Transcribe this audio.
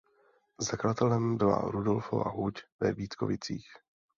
Zakladatelem byla Rudolfova huť ve Vítkovicích.